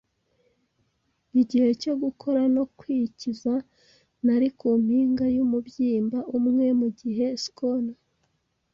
igihe cyo gukora no kwikiza. Nari ku mpinga yumubyimba umwe mugihe schooner